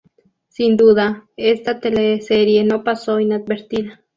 Sin duda esta teleserie no pasó inadvertida.